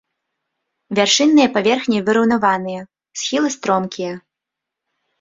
Вяршынныя паверхні выраўнаваныя, схілы стромкія.